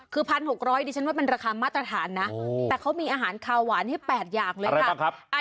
คือ๑๖๐๐ดิฉันว่ามันราคามาตรฐานนะแต่เขามีอาหารคาวหวานให้๘อย่างเลยค่ะ